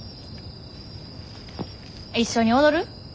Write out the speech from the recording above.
一緒に踊る？